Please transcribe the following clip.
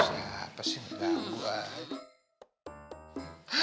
siapa sih yang nabrak